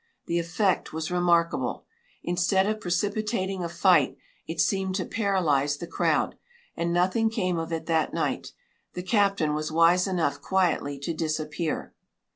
The effect was remarkable. Instead of precipitating a fight, it seemed to paralyze the crowd, and nothing came of it that night; the captain was wise enough quietly to disappear.